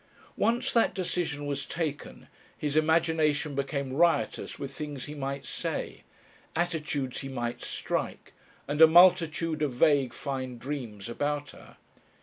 Once that decision was taken his imagination became riotous with things he might say, attitudes he might strike, and a multitude of vague fine dreams about her.